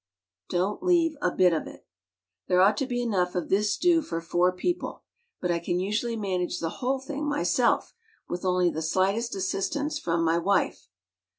Don't leave a bit of it. There ought to be enough of this stew for four people, but I can usually manage the whole thing myself with only the slightest assistance from my wife.